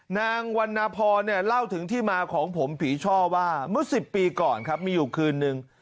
นางวันนพรเนี่ยเล่าถึงที่มาของผมผีช่อว่าเมื่อ๑๐ปีก่อนครับมีอยู่คืนนึง